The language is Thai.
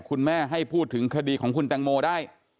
คุณแม่ให้พูดถึงคดีของคุณแตงโมได้